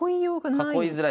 囲いづらい。